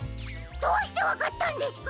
どうしてわかったんですか！？